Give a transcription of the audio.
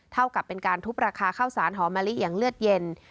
เท่ากับเป็นการทุบราคาข้าวสารหอมะลิอย่างเลือดเย็น